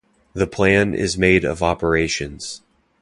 The plan is made of operations.